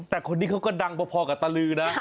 แต่คนนี้เขาก็ดังพอกับตะลือนะ